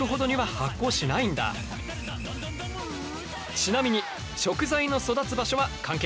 ちなみに食材の育つ場所は関係ないぞ！